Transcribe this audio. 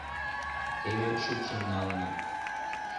теве шупшын налына.